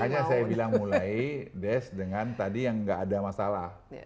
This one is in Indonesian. makanya saya bilang mulai desk dengan tadi yang nggak ada masalah